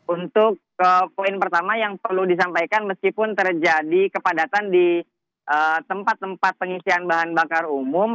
untuk poin pertama yang perlu disampaikan meskipun terjadi kepadatan di tempat tempat pengisian bahan bakar umum